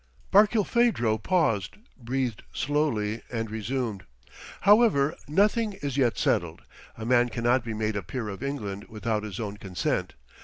Barkilphedro paused, breathed slowly, and resumed. "However, nothing is yet settled. A man cannot be made a peer of England without his own consent.